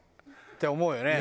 って思うよね